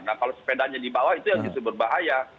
nah kalau sepedanya di bawah itu yang justru berbahaya